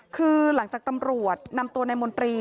คือหลังจากตำรวจนำตัวนายมนตรี